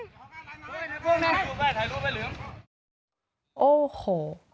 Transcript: ถ่ายรูปให้เหลืองโอ้โห